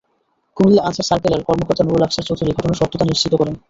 কুমিল্লা আনসার সার্কেলের কর্মকর্তা নুরুল আফসার চৌধুরী ঘটনার সত্যতা নিশ্চিত করেন।